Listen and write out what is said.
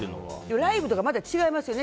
ライブとか、また違いますよね